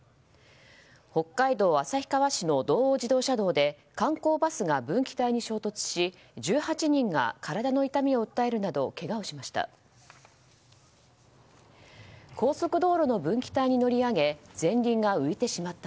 北海道旭川市の道央自動車道で観光バスが分岐帯に衝突し１８人が体の痛みを訴えるなどけがをしました。